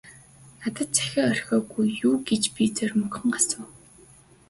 - Надад захиа орхиогүй юу гэж би зоримогхон асуув.